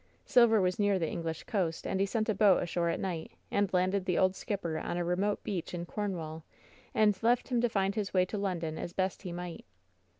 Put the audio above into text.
Silver was near the English coast, and he sent a boat ashore at night and landed the old skipper on a remote beach in Cornwall, and left him to find his way to Lon don as best he might."